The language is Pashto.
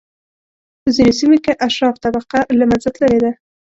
په ځینو سیمو کې اشراف طبقه له منځه تللې ده.